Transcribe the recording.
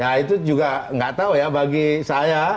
nah itu juga nggak tahu ya bagi saya